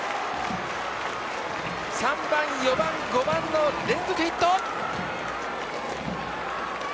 ３番、４番、５番の連続ヒット！